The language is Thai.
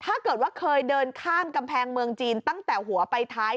ถ้าเกิดว่าเคยเดินข้ามกำแพงเมืองจีนตั้งแต่หัวไปท้าย